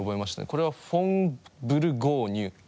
これはフォン・ブルゴーニュ。